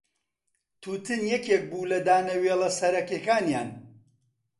تووتن یەکێک بوو لە دانەوێڵە سەرەکییەکانیان.